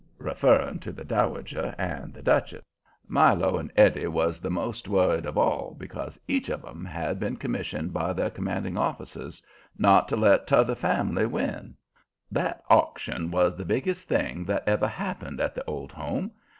referring to the Dowager and the Duchess. Milo and Eddie was the most worried of all, because each of 'em had been commissioned by their commanding officers not to let t'other family win. That auction was the biggest thing that ever happened at the Old Home.